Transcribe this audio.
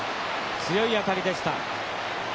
強い当たりでした。